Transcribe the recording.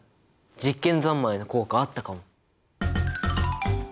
実験三昧の効果あったかも。